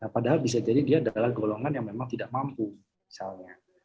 padahal bisa jadi dia adalah golongan yang memang tidak mampu misalnya